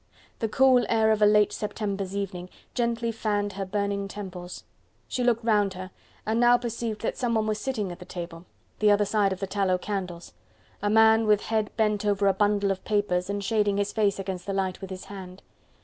The cool air of a late September's evening gently fanned her burning temples. She looked round her and now perceived that someone was sitting at the table, the other side of the tallow candles a man, with head bent over a bundle of papers and shading his face against the light with his hand.